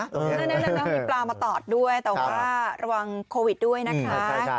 แล้วมีปลามาตอดด้วยแต่ว่าระวังโควิดด้วยนะคะ